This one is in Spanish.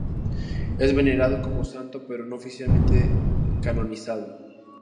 Es venerado como santo pero no oficialmente canonizado.